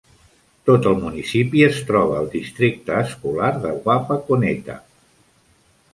Tot el municipi es troba al districte escolar de Wapakoneta.